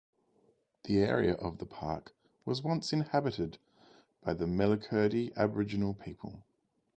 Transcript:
The area of the park was once inhabited by the Mellukerdee aboriginal people.